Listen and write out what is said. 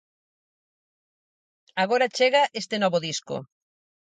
Agora chega este novo disco.